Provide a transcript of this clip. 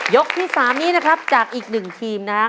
ที่๓นี้นะครับจากอีก๑ทีมนะครับ